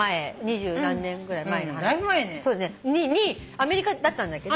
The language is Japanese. アメリカだったんだけど。